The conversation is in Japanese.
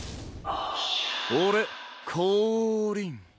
俺降臨。